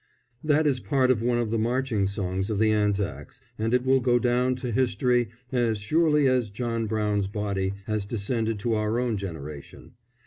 '" That is part of one of the marching songs of the Anzacs, and it will go down to history as surely as "John Brown's Body" has descended to our own generation.